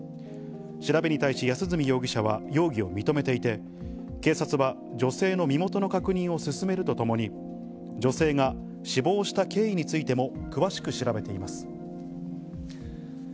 調べに対し、安栖容疑者は容疑を認めていて、警察は、女性の身元の確認を進めるとともに、女性が死亡した経緯についても詳しく調べています。